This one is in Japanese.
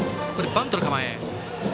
バントの構え。